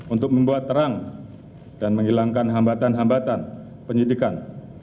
untuk membuat terang dan menghilangkan hambatan hambatan penyidikan